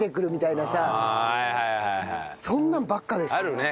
そんなんばっかですね。